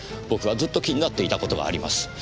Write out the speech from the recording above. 僕はずっと気になっていた事があります。